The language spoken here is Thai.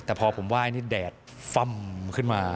แต่พอผมไหว้นี่แดดฟ่ำขึ้นมา